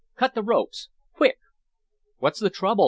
Cut the ropes! Quick!" "What's the trouble?"